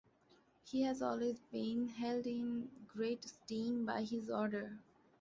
He has always been held in great esteem by his order.